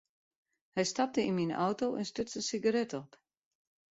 Hy stapte yn myn auto en stuts in sigaret op.